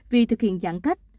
vì thực hiện giãn cách